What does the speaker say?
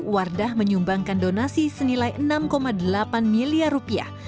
wardah menyumbangkan donasi senilai enam delapan miliar rupiah